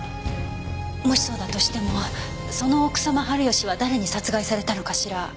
もしそうだとしてもその草間治義は誰に殺害されたのかしら？